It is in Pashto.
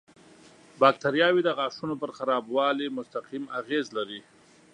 باکتریاوې د غاښونو پر خرابوالي مستقیم اغېز لري.